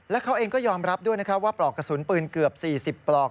และเขาเองก็ยอมรับด้วยนะครับว่าปลอกกระสุนปืนเกือบ๔๐ปลอก